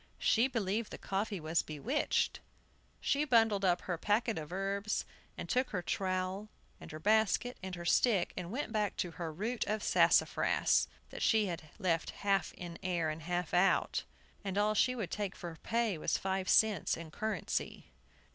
She believed the coffee was bewitched. She bundled up her packets of herbs, and took her trowel, and her basket, and her stick, and went back to her root of sassafras, that she had left half in the air and half out. And all she would take for pay was five cents in currency.